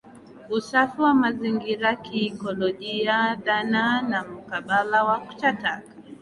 Usafi wa mazingira kiikolojia dhana na mkabala wa kuchakata